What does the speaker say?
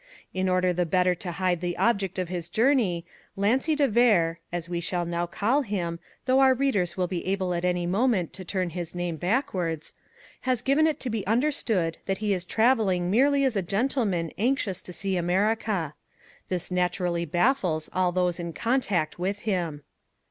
In order the better to hide the object of his journey, Lancy de Vere (as we shall now call him, though our readers will be able at any moment to turn his name backwards) has given it to be understood that he is travelling merely as a gentleman anxious to see America. This naturally baffles all those in contact with him.